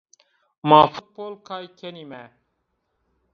Ma futbol kay kenîme